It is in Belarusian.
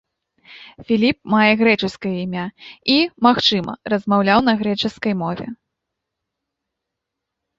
Філіп мае грэчаскае імя і, магчыма, размаўляў на грэчаскай мове.